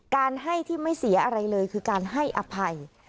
การให้ที่ไม่เสียอะไรเลยคือการให้อภัย